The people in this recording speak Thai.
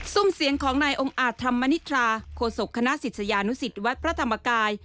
ุ่มเสียงของนายองค์อาจธรรมนิษฐาโคศกคณะศิษยานุสิตวัดพระธรรมกาย